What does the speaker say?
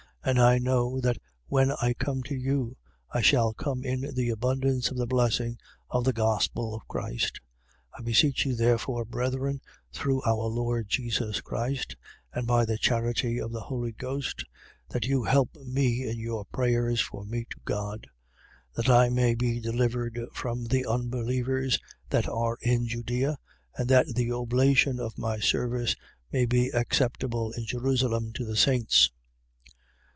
15:29. And I know that when I come to you I shall come in the abundance of the blessing of the gospel of Christ. 15:30. I beseech you therefore, brethren, through our Lord Jesus Christ and by the charity of the Holy Ghost, that you help me in your prayers for me to God, 15:31. That I may be delivered from the unbelievers that are in Judea and that the oblation of my service may be acceptable in Jerusalem to the saints.